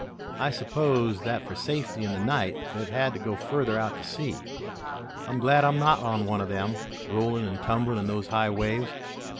I suppose that for safety in the night they've had to go further out to sea. I'm glad I'm not on one of them, rolling and tumbling in those high waves.